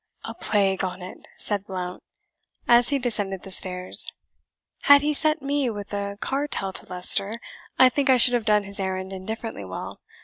"A plague on it!" said Blount, as he descended the stairs; "had he sent me with a cartel to Leicester I think I should have done his errand indifferently well.